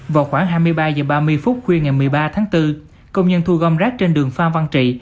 vào khoảng hai mươi ba h ba mươi phút khuya ngày một mươi ba tháng bốn công nhân thu gom rác trên đường phan văn trị